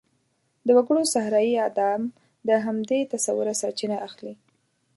د وګړو صحرايي اعدام د همدې تصوره سرچینه اخلي.